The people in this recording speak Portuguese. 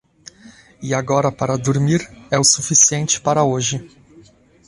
E agora para dormir, é o suficiente para hoje.